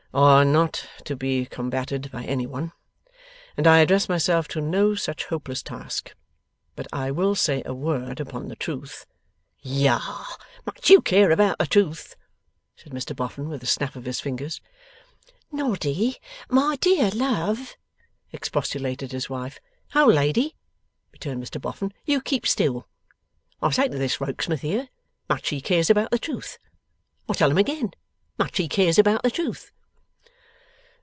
' are not to be combated by any one, and I address myself to no such hopeless task. But I will say a word upon the truth.' 'Yah! Much you care about the truth,' said Mr Boffin, with a snap of his fingers. 'Noddy! My dear love!' expostulated his wife. 'Old lady,' returned Mr Boffin, 'you keep still. I say to this Rokesmith here, much he cares about the truth. I tell him again, much he cares about the truth.